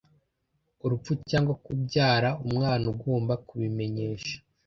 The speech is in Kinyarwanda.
urupfu cyangwa kubyara umwana ugomba kubimenyesha